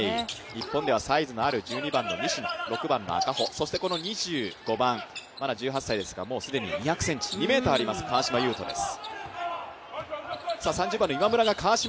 日本ではサイズのある１２番の西野、６番の赤穂、そして２５番、まだ１８歳ですが、もうすでに２ｍあります、川島悠翔です。